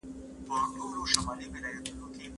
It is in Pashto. هغه د خپل ژوند نیمایي برخه په جګړو تېره کړه.